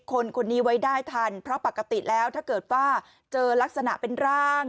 คนนี้ไว้ได้ทันเพราะปกติแล้วถ้าเกิดว่าเจอลักษณะเป็นร่าง